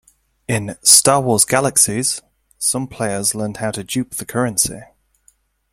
In "Star Wars Galaxies" some players learned how to dupe the currency.